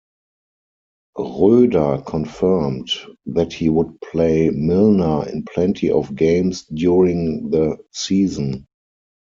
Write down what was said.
Roeder confirmed that he would play Milner in "plenty of games" during the season.